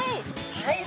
はい。